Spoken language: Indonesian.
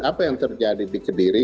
apa yang terjadi di kediri